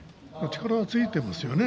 力はついていますよね